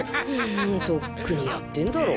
とっくにやってんだろ。